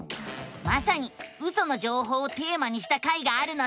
まさにウソの情報をテーマにした回があるのさ！